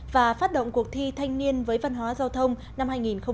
và phát động cuộc thi thanh niên với văn hóa giao thông năm hai nghìn một mươi chín